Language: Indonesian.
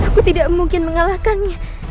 aku tidak mungkin mengalahkannya